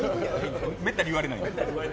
めったに言われないんで。